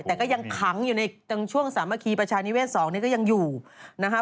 แต่ก็ยังขังอยู่ในช่วงสามัคคีประชานิเศษ๒นี่ก็ยังอยู่นะคะ